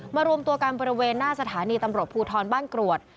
รวมตัวกันบริเวณหน้าสถานีตำรวจภูทรบ้านกรวด